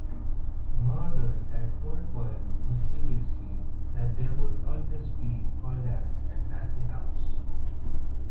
Merdell had told Poirot mischievously that there would "always be Folliats at Nasse House".